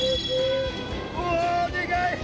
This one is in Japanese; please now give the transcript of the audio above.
うおでかい！